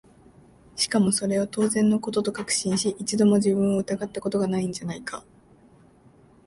しかもそれを当然の事と確信し、一度も自分を疑った事が無いんじゃないか？